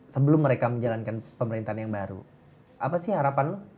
sebelum mereka menjalankan pemerintahan yang baru apa sih harapanmu